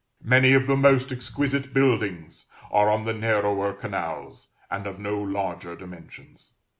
Many of the most exquisite buildings are on the narrower canals, and of no larger dimensions.